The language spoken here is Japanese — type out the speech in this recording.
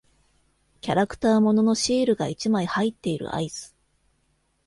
キャラクター物のシールが一枚入っているアイス。